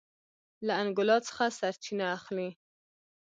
له انګولا څخه سرچینه اخلي.